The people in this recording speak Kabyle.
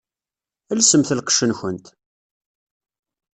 Elsemt lqecc-nkent!